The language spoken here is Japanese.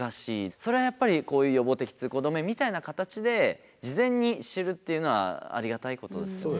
それはやっぱりこういう予防的通行止めみたいな形で事前に知れるっていうのはありがたいことですよね。